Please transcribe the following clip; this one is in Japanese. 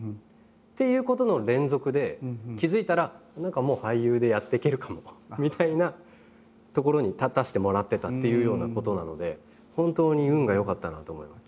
っていうことの連続で気付いたら何かもう俳優でやってけるかもみたいなところに立たせてもらってたっていうようなことなので本当に運がよかったなと思います。